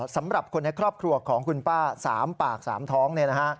สำหรับคนในครอบครัวของคุณป้า๓ปาก๓ท้อง